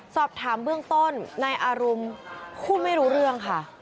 สอบถามเบื้องต้นนายอารุมพูดไม่รู้เรื่องค่ะ